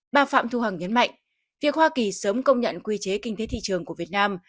bà phạm thu hằng nhấn mạnh việc hoa kỳ sớm công nhận quy chế kinh tế thị trường của việt nam